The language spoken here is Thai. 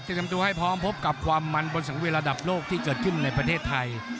ทำตัวให้พร้อมพบกับความมันบนสังเวียระดับโลกที่เกิดขึ้นในประเทศไทย